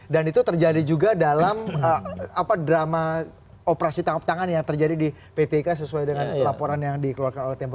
dan itu terjadi juga dalam drama operasi tangkap tangan yang terjadi di ptk sesuai dengan laporan yang dikeluarkan oleh tempo